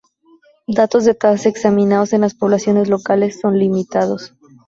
Datos de tasas examinados en las poblaciones locales son limitados.